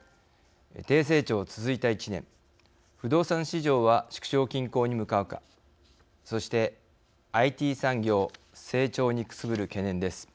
低成長続いた１年不動産市場は縮小均衡に向かうかそしてＩＴ産業成長にくすぶる懸念です。